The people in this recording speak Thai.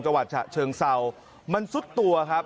จังหวัดฉะเชิงเซามันซุดตัวครับ